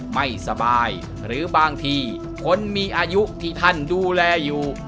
ไม่สบายหรือบางทีคนมีอายุที่ท่านดูแลอยู่